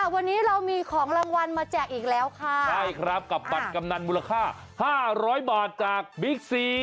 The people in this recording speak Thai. วันนี้เรามีของรางวัลมาแจกอีกแล้วค่ะใช่ครับกับบัตรกำนันมูลค่า๕๐๐บาทจากบิ๊กซี